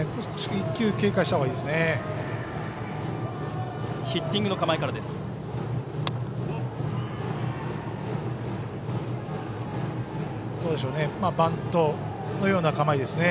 １球警戒したほうがいいですね。